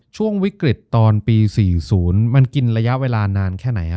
ช่วงวิกฤตตอนปี๔๐มันกินระยะเวลานานแค่ไหนฮะ